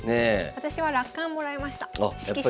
私は落款もらいました色紙の。